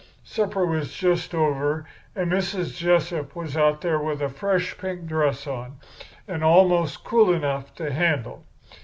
Supper was just over, and Mrs. Jessup was out there with a fresh pink dress on, and almost cool enough to handle.